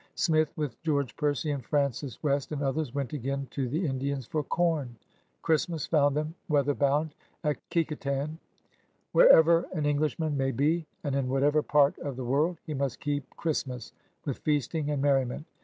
Smith with George Percy and Francis West and others went again to the Indians for com. Christmas found them weather bound at Kecoughtan. '* Wherever an Englishman may be, and in whatever part of the world, he must keep Christmas with feasting and merriment!